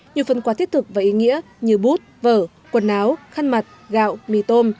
nhiều phần quà thiết thực và ý nghĩa như bút vở quần áo khăn mặt gạo mì tôm